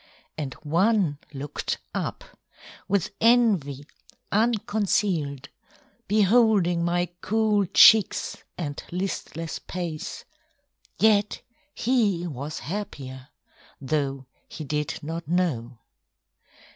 And one looked up, with envy unconcealed, Beholding my cool cheeks and listless pace, Yet he was happier, though he did not know.